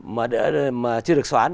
mà chưa được xoán